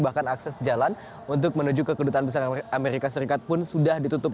bahkan akses jalan untuk menuju ke kedutaan besar amerika serikat pun sudah ditutup